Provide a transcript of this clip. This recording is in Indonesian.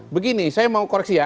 begini saya mau koreksi ya